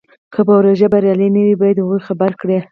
که پروژه بریالۍ نه وي باید هغوی خبر کړي.